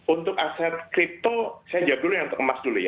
untuk aset kripto saya jawab dulu untuk emas dulu ya